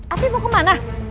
afif mau kemana